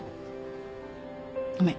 ごめん。